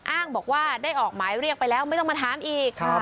อ้างบอกว่าได้ออกหมายเรียกไปแล้วไม่ต้องมาถามอีก